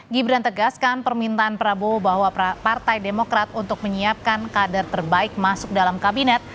gibran tegaskan permintaan prabowo bahwa partai demokrat untuk menyiapkan kader terbaik masuk dalam kabinet